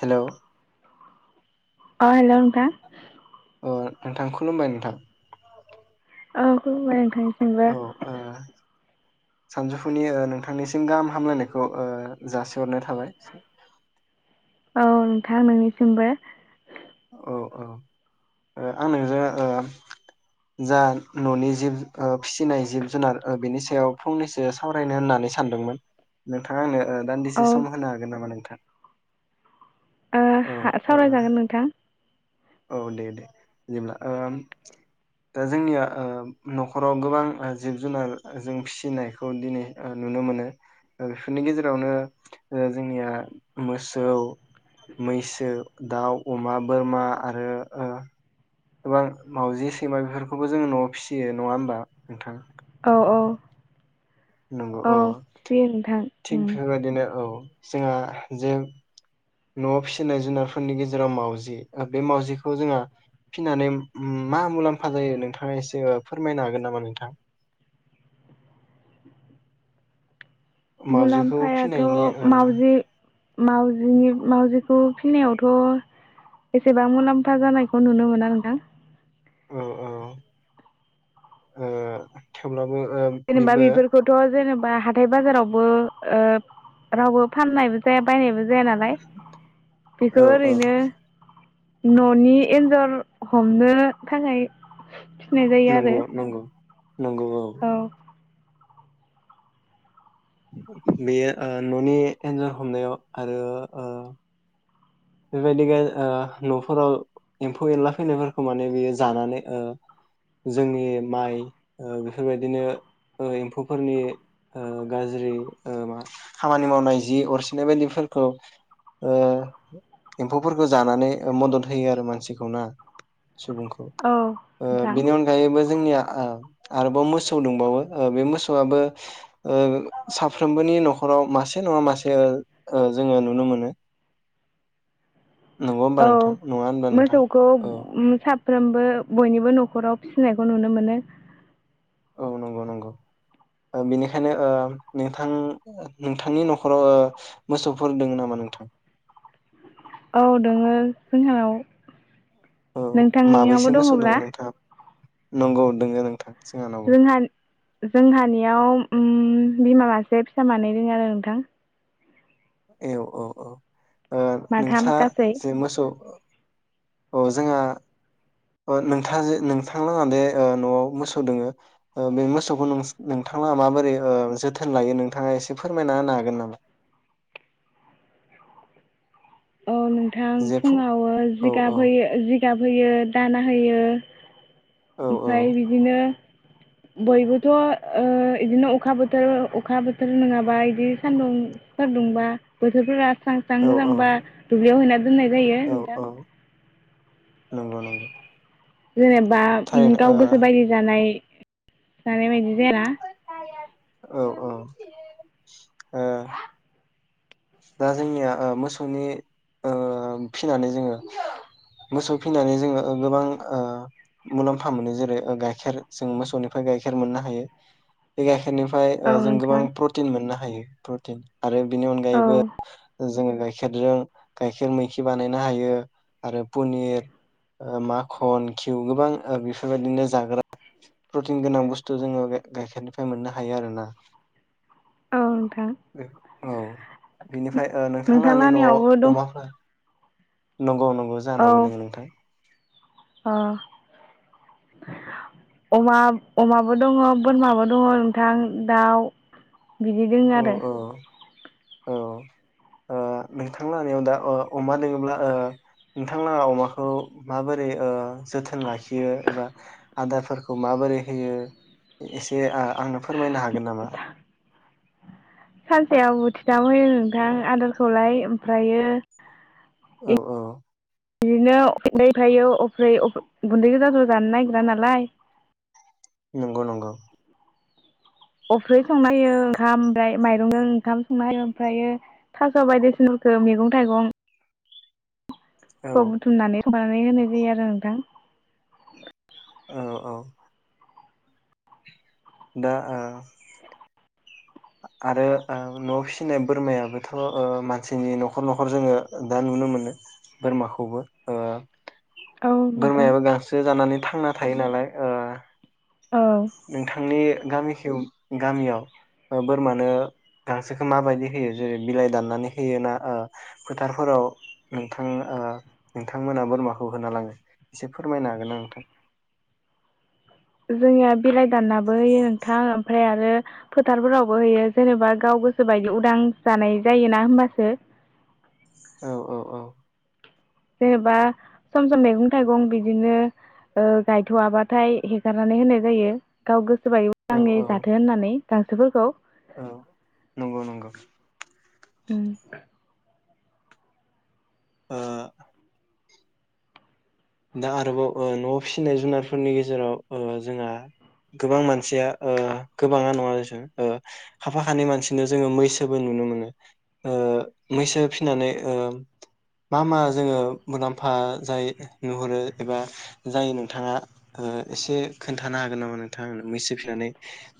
Hello अ hello नोंथां अ नोंथां खुलुमबाय नोंथां औ खुलुमबाय नोंथां औ ओ थांनिसिमबो सानजौफुनि ओ नोंथांनिसिम गाहाम हामलायनायखौ ओ जासिहरनाय थाबाय औ नोंथां नोंनिसिमबो औ औ ओ आं नों ओ जा न'नि जिब ओ फिसिनाय जिब जुनार ओ बिनि सायाव फंनैसो सावरायनो होननानै सानदोंमोन नोंथाङा आंनो ओ दान्दिसे औ सम ओ होनो हागोन नामा नोंथां? ओ औ हा ओ सावरायजागोन नोंथां औ दे दे बिदिब्ला ओम दा जोंनिया ओ न'खराव गोबां ओ जिब जुनार जों फिसिनायखौ दिनै ओ नुनो मोनो बेफोरनि गेजेरावनो जोंनिया मोसौ मैसो दाउ अमा बोरमा आरो ओ गोबां मावजि सैमा बेफोरखौबो जोङो न'आव फिसियो नङा होमबा नोंथां अ अ नंगौ औ उम थिग बेफोरबायदिनो औ जोंहा जे न'आव फिसिनाय जुनारफोरनि गेजेराव मावजि बे मावजिखौ जोंहा फिनानै मा मुलाम्फा जायो नोंथाङा एसे फोरमायनो हागोन नामा नोंथां? मावजिखौ मुलाम्फायाथ' फिनायनि ओ मावउजि मावजि मावजिखौ फिनायावथ' एसेबां मुलाम्फा जानायखौ नुनो मोना नोंथां ओ ओ ओ थेवब्ला जेनेबा बेफोरखौथ' जेने बा हाथाय बाजारावबो ओ रावबो फाननायबो जाया बायनायबो जाय जाया नालाय औ बेखौ औ ओरैनो न'नि एन्जर हमनो थाखाय फिनाय जायो आरो नंगौ नंगौ। नंगौ औ। बेयो ओ न'नि एन्जर हमनायाव आरो ओ बेबायदि गो ओ न'फोराव एम्फौ एनला फैनायफोरखौ माने बियो जानानै ओ जोंनि माइ बेफोरबायदिनो ओ एम्फौफोरनि ओ गाज्रि मा खामानि मावनाय जि अरसिनाय बायदिफोरखौ ओ एम्फौफोरखौ जानानै मदद होयो आरो मानसिखौ ना? सुबुंखौ औ ओ नोंथां बेनि अनगायैबो जोंनिया ओ आरोबाव मोसौ दंबावो ओ बे मोसौआबो ओ साफ्रोमबोनि नखराव मासे नंङा मासे ओ जोंङो नुनो मोनो। नंगौ होमबा औ नोंथां नङा होनबा नोंथां मोसौखौ औ उम सा साफ्रोमबो बयनिबो नखराव फिसिनायखौ नुनो मोनो। औ नंगौ नंगौ ओ बेनिखायनो ओ नोंथां नोंथांनि नखराव ओ मोसौफोर दंङ नामा नोंथां? औ दोंङो जोंहानाव। औ माबैसे नोंथांनियावबो मोसौ दोङो दंङब्ला? नोंथाङा नंगौ दोंङो नोंथां जोंहानावबो जोंहा जोंहानियाव ओम बिमा मासे फिसा मानै दोंङो आरो नोंथां। ए औ औ। ओ माथाम नोंस्रा गासै जे मोसौ औ जोंहा ओ नोंथां जे नोंथांलाहा दे ओ नआव मोसौ दोंङो ओ बे मोसौखौ नोंथांलाहा माबोरै ओ जोथोन लायो नोंथाङा एसे फोरमायना होनो हागोन नामा? औ नोंथां जे फुं फुंङाव ओ औ औ जिगाब होयो जिगाब होयो दाना होयो। औ ओमफ्राय बिदिनो बयबोथ ओ इदिनो अखा बोथोर अखा बोथोर नंङाबा इदि सान्दुंफोर दुंब्ला बोथोरफोरा स्रां स्रां औ औ मोजांबा दुब्लियाव हैनाय दोननाय जायो औ नोंथां औ नंगौ नंगौ [inaudible] जेनेबा ओम थारैनो ओ गाव गोसो बायदि जानाय। जानाय बायदि जायाना औ औ ओ दा जोंनिया ओ मोसौनि ओ फिसिनानै जोंङो मोसौ फिनानै जोंङो ओ गोबां ओ मुलाम्फा मोनो जेरै ओ गाइखेर जों मोसौनिफ्राय गाइखेर मोननो हायो बे गाइ बेनिफ्राय औ जों गोबां नोंथां प्रटिन मोननो हायो। प्रटिन । आरो बेनि अनगायैबो [inaudible] जों गाइखेरजों गायखेर मैखि बानायनो हायो आरो पनिर । ओ माखन घिउ गोबां बेफोरबायदिनो जाग्रा प्रटिन गोनां बुस्थु जोंङो गाइखेरनिफ्राय मोननो हायो आरो ना । औ नोंथां [inaudible] औ । बिनिफ्राय ओ नोंथांआ नोंथां आंनि नआव लाहानियावबो दं अमाफोर नंगौ नंगौ । अ औ जानावबो दोङो नोंथां । अ अमा अमाबो दङ बोरमाबो दङ नोंथां दाउ बिदि दों औ आरो औ औ । ओ नोंथांलानिआव दा ओ अमा दोंङोब्ला ओ नोंथांलाहा अमाखौ माबोरै ओ जोथोन लाखियो एबा आदारफोरखौ माबोरै होयो एसे आ आंनो फोरमायनो हागोन नामा? सानसेयाव बुथि थाम होयो नोंथां आदारखौलाय ओमफ्रायो औ औ । बिदिनो [inaudible] गुन्दै ओमफ्राय अफ्रै गुन्दै गोजा जो जानो नागिरा नालाय । नंगौ नंगौ । अफ्रि संना होयो ओंखाम ओमफ्राय माइरंजों ओंखाम संना होयो ओमफ्रायो थास' बायदिसिनाफोरखौ मैगं थाइगं । औ खौ बुथुमनानै [inaudible] होनाय जायो आरो नोंथां । औ औ । दा ओ आरो ओ न'आव फिसिनाय बोरमायाबोथ' ओ मानसिनि न'खर न'खर जोङो दा नुनो मोनो बोरमाखौबो ओ औ नोंथां बोरमायाबो गांसो जानानै थांना थायो नालाय ओ औ नोंथांनि गामिखौ गामियाव ओ बोरमानो गांसोखौ माबायदि होयो जेरै बिलाइ दाननानै होयो ना ओ फोथारफोराव नोंथां ओ नोंथांमोना बोरमाखौ होना लाङो एसे फोरमायनो हागोन ना नोंथां? जोंनिया बिलाइ दाननाबो होयो नोंथां ओमफ्राय आरो फोथारफोरावबो होयो जेनेबा गाव गोसोबायदि उदां जानाय जायोना होमबासो । औ औ औ । जेनेबा सम सम मैगं थाइगं बिदिनो ओ गायथ'आबाथाय हेगारनानै होनाय जायो गाव गोसोबायदि औ उदाङै औ जाथो होननानै गांसोफोरखौ । औ नंगौ नंगौ । ओं । ओ दा आरोबाव ओ न'आव फिसिनाय जुनारफोरनि गेजेराव ओ जोंहा गोबां मानसिया ओ गोबाङा नङा देसं ओ खाफाखानै मानसिनाव जोङो मैसोबो नुनो मोनो ओ मैसो फिसिनानै ओ मा मा जोङो मुलाम्फा जायो नुहुरो एबा जायो नोंथाङा ओ एसे खोन्थानो हागोन नामा नोंथां आंनो मैसो फिसिनानै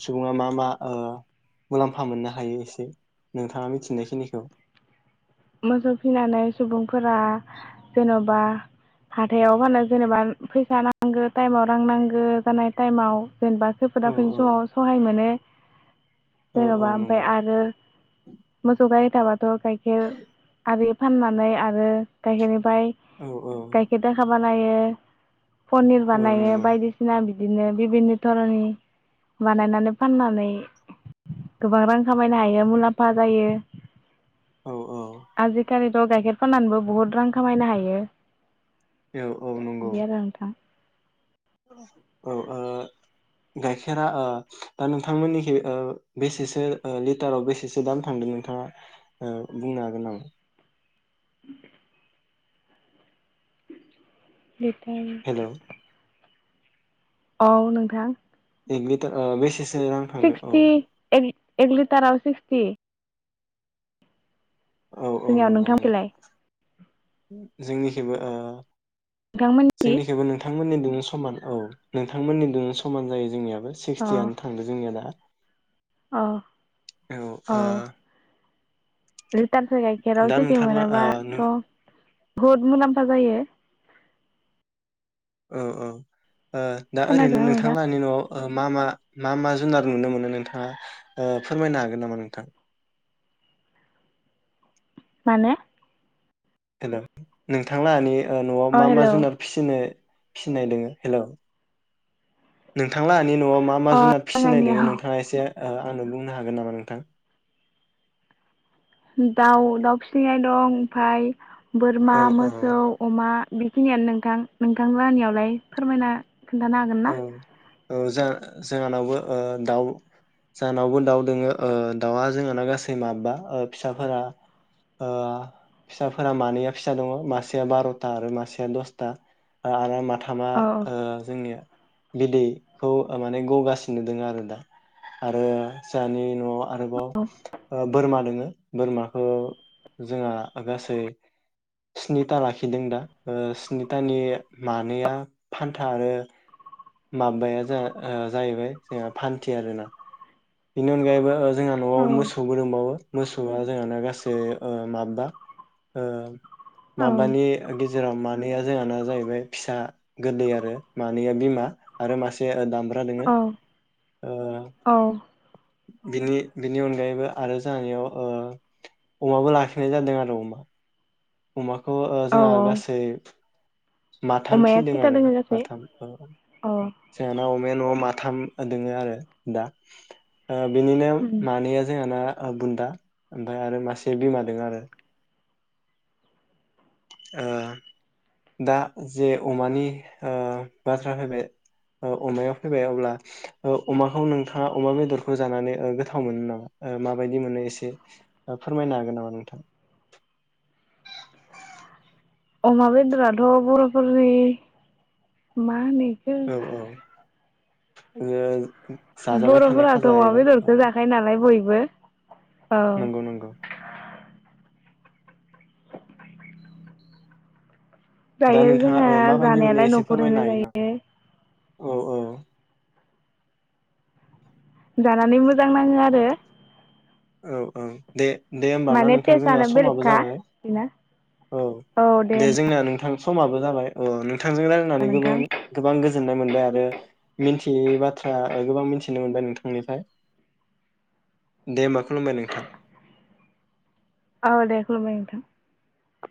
सुबुङा मा मा ओ मुलाम्फा मोननो हायो एसे नोंथाङा मिथिनाय खिनिखौ । मोसौ फिनानै सुबुंफोरा जेन'बा हाथायाव फानो जेनेबा फैसा नांगौ टाइमाव रां नांगौ जानाय टाइमाव जेन'बा खैफोद औ आफोदनि औ समाव सहाय मोनो । औ औ जेन'बा ओमफ्राय नंगौ आरो मोसौ गाय दाबा द' गाइखेर आरि फाननानै आरो गाइखेर फाय औ औ गायखेर दाखा बानायो । पनिर औ बानायो नंगौ बायदिसिना बिब दिनो बिभिन्न धरननि बानायनानै फाननानै गोबां रां खामायनो हायो मुलाम्फा जायो । औ स' गाइखेर फाननानैबो बहुद रां खामायनो हायो । औ-औ नंगौ । औ ओ गाइखेरा ओ दा नोंथांमोननिखै ओ बेसेसो ओ लिटाराव बेसेसो दाम थांदों नोंथाङा ओ बुंनो हागोन नामा? लिटार हेलौ औ नोंथां । एग लिटारा बिसेसो सिक्सटि एग । एक लिटाराव सिक्सटि । औ औ जोंनियाव नोंथां खैलाय? जोंनि खैबो ओ? नोंथां मोनथि नोंथांमोननि दोंनो समान औ नोंथांमोननि दोंनो समान जायो जोंनिया । बो अ सिक्सटियानो थांदों जोंनिया दा । औ । औ आ रिटारसे गाइखेराव सिक्सटि ओ मोनाबाथ नों बुहुद मुलाम्फा जायो । औ-औ । ओ दा ओरैनो खोनादोंना नोंथां नोंथांलाहानि न'आव ओ मा-मा मा-मा जुनार नुनो मोनो नोंथाङा ओ फोरमायनो हागोन नामा नोंथां? माने? हेलौ नोंथांलाहानि ओ न'आव अ मा-मा हेलौ जुनार फिसिनो फिनाय दोङो हेलौ नों थांलाहानि न'आव मा-मा अ जुनाद फिसिनाय दङ जोंहानियाव नोंथाङा एसे ओ आंनो बुंनो हागोन नामा नोंथां? दाउ दाउ फिसिनाय दं ओमफाय बोरमा औ औ मोसौ अमा बेखिनियानो नोंथां नोंथां लाहानियावलाय फोरमायना खोन्थानो हागोन ना? औ औ जा जहानावबो ओ दाउ जहानावबो दाउ दङो ओ दाउआ जोंहाना गासै माबबा ओ फिसाफोरा ओ फिसाफोरा मानैया फिसा दङ मासेया बार'था आरो मासेया दसथा ओ आरो मा थामा औ ओ जोंनिया बिदैखौ माने गगासिनो दङ आरो दा आरो जोंहानि न'आ आरोबाव ओ बोरमा दोङो । बोरमाखौ जोंहा गासै स्निथा लाखिदों दा ओ स्निथानि मानैया फान्था आरो माबाया जोहा ओ जाहैबाय जोंहा फान्थि आरो ना । बिनि अनगायैबो ओ जोंहा न'आव औ मोसौ दंबावो । मोसौआ जोंहाना गासै ओ माबबा ।ओ - औ माबानि जेराव मानैया जोंहाना जाहैबाय फिसा गोदै आरो मानैया बिमा आरो मासे दामब औ [unintelligible] औ। बिनि बिनि अनगायैबो आरो जोहानियाव ओ अमाबो लाखिनाय जादों आरो अमा। अमा। खौ ओ औ जोंहा गासै माथाम अमाया फिनदों खैथा आरो दोङो गासै? माथाम औ अ जोंहाना अमाया न'आव मा थाम दङो आरो दा। ओ बिनिनो मानैया जोंहाना ओ बुन्दा ओमफ्राय आरो मासे बिमा दों आरो। ओ दा जे अमानि ओ बाथ्रा फैबाय ओ अमाया फैबाय अब्ला ओ अमाखौ नोंथाङा अमा बेदरखौ जानानै ओ गोथाव मोनो नामा ओ माबायदि मोनो एसे ओ फोरमायनो हागोन नामा नोंथाङा। अमा बेदराथ' बर'फोरनि मा होनो इखो औ औ। [unintelligible] जाजाबाय थानाय बर'फोराथ' खाजा अमा एबा बेदरखौ जाखायो नालाय बय बो। नंगौ नंगौ। दा जायो नोंथाङा जोंहा ओ माबायदि मोनो जानायालाय एसे फोरमायनो न'खरैनो हायो ना जायो। औ औ। जानानै मोजां नाङो आरो। औ औ दे। दे होमबा ना माने नोंथां थेस जोंना आनो बेलग समाबो खा जाबाय बिना। औ दे जोंना नोंथां। समाबो जाबाय अ नों थांजों रायलायनानै गोबां नोंथां गोबां गोजोननाय मोनबाय आरो मि [unintelligible] बाथ्रा ओ गोबां मिन्थिनो मोनबाय नोंथांनिफाय दे होमबा खुलुमबाय नोंथां। औ दे खुलुमबाय नोंथां।